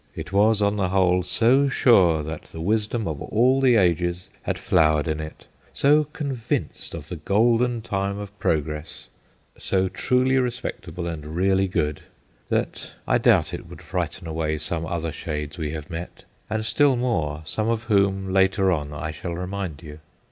It was, on the whole, so sure that the wisdom of all the ages had flowered in it, so convinced of OUT OF PLACE 57 the golden time of 'progress,' so truly respectable and really good, that I doubt it would frighten away some other shades we have met, and, still more, some of whom later on I shall remind you.